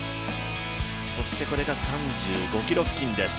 そしてこれが３５ｋｍ付近です。